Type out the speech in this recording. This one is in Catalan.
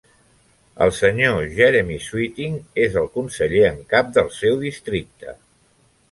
El sr. Jeremy Sweeting és el conseller en cap del seu districte.